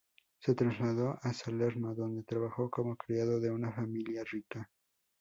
Se trasladó a Salerno, donde trabajó como criado de una familia rica.